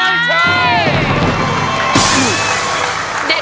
ไม่ใช้ครับ